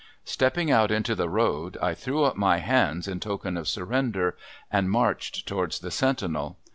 Stepping out into the road I threw up my hands in token of surrender and marched towards the sentinel.